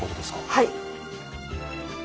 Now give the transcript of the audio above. はい。